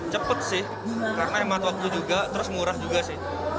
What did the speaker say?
cepat sih karena hemat waktu juga terus murah juga sih